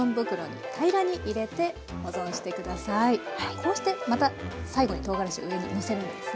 こうしてまた最後にとうがらしを上にのせるんですね。